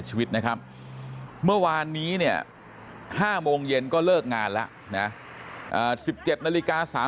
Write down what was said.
ชีวิตนะครับเมื่อวานนี้เนี่ย๕โมงเย็นก็เลิกงานแล้วนะ๑๗นาฬิกา๓๐